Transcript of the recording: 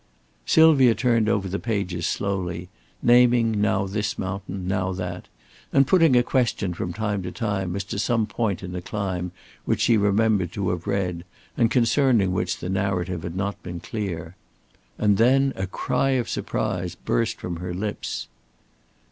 Sylvia turned over the pages slowly, naming now this mountain, now that, and putting a question from time to time as to some point in a climb which she remembered to have read and concerning which the narrative had not been clear. And then a cry of surprise burst from her lips.